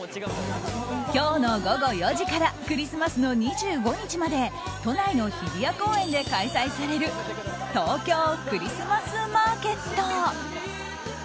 今日の午後４時からクリスマスの２５日まで都内の日比谷公園で開催される東京クリスマスマーケット。